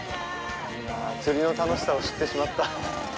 釣りの楽しさを知ってしまった。